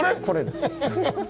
これです。